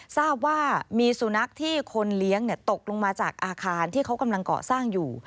ทราบว่ามีสุนัขที่คนเลี้ยงตกลงมาจากอาคารที่เขากำลังเกาะสร้างอยู่